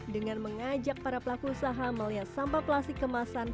dengan mengajak para pelaku usaha melihat sampah plastik kemasan